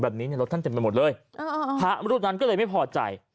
ในรถท่านเต็มไปหมดเลยพระรูปนั้นก็เลยไม่พอใจ